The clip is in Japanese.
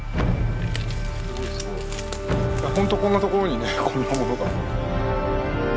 本当こんなところにねこんなものが。